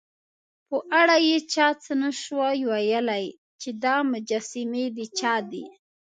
په اړه یې چا څه نه شوای ویلای، چې دا مجسمې د چا دي.